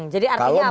jadi artinya apa